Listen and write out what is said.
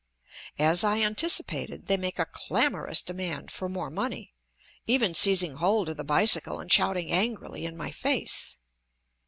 As I anticipated, they make a clamorous demand for more money, even seizing hold of the bicycle and shouting angrily in my face.